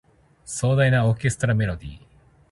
壮大なオーケストラメロディ